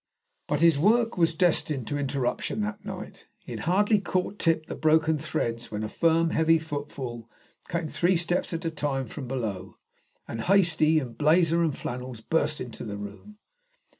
But his work was destined to interruption that night. He had hardly caught tip the broken threads when a firm, heavy footfall came three steps at a time from below, and Hastie, in blazer and flannels, burst into the room.